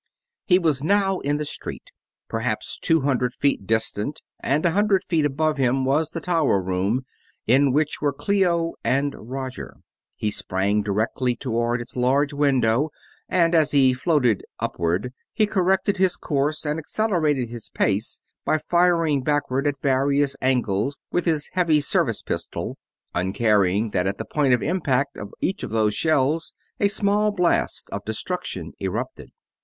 He was now in the street. Perhaps two hundred feet distant and a hundred feet above him was the tower room in which were Clio and Roger. He sprang directly toward its large window, and as he floated "upward" he corrected his course and accelerated his pace by firing backward at various angles with his heavy service pistol, uncaring that at the point of impact of each of those shells a small blast of destruction erupted.